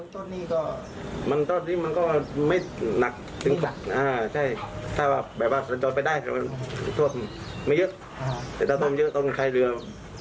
แต่ถ้าต้องเยอะต้องใช้เรือคนแบบนี้ก็ต้องเย็ดดูเลย